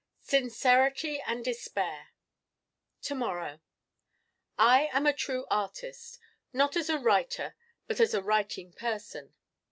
Sincerity and despair To morrow I am a true Artist, not as a writer but as a writing person.